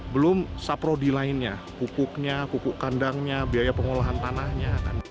belum saprodi lainnya kukuknya kukuk kandangnya biaya pengolahan tanahnya